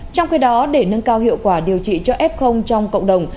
trong khi đó để nâng cao hiệu quả điều trị cho f trong cộng đồng